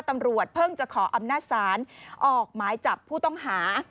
ตำรวจเพิ่งจะขออำนาจศาลออกหมายจับผู้ต้องหา